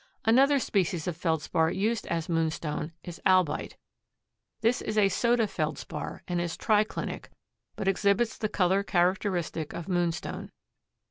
Another species of Feldspar used as moonstone is albite. This is a soda Feldspar and is triclinic, but exhibits the color characteristic of moonstone.